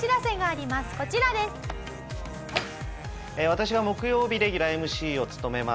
私が木曜日レギュラーＭＣを務めます